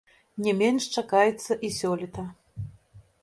Не менш чакаецца і сёлета.